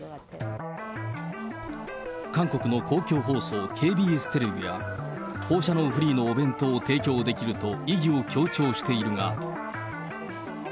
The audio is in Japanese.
韓国の公共放送、ＫＢＳテレビは、放射能フリーのお弁当を提供できると、意義を強調しているが。